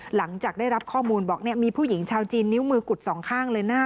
หลังจากได้รับข้อมูลบอกมีผู้หญิงชาวจีนนิ้วมือกุดสองข้างเลยหน้า